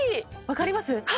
分かります？